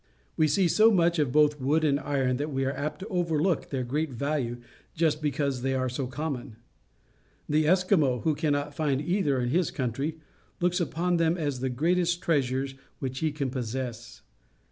We see so much of both wood and iron that we are apt to overlook their great value just because they are so common. The Eskimo, who cannot find either in his countrj', looks upon them as the greatest treasures which he can pos.sess.